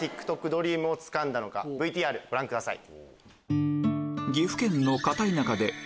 ドリームをつかんだのかＶＴＲご覧ください。